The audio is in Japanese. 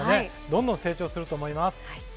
どんどん成長すると思います。